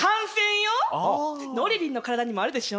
のりりんの体にもあるでしょ。